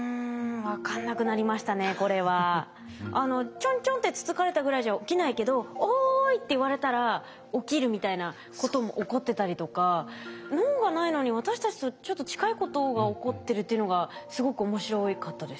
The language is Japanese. ちょんちょんってつつかれたぐらいじゃ起きないけど「おい」って言われたら起きるみたいなことも起こってたりとか脳がないのに私たちとちょっと近いことが起こってるっていうのがすごく面白かったです。